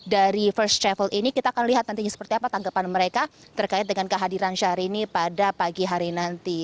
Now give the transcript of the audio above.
dari first travel ini kita akan lihat nantinya seperti apa tanggapan mereka terkait dengan kehadiran syahrini pada pagi hari nanti